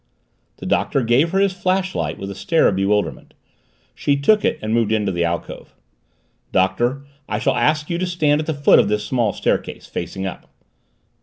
The Doctor gave her his flashlight with a stare of bewilderment. She took it and moved into the alcove. "Doctor, I shall ask you to stand at the foot of the small staircase, facing up."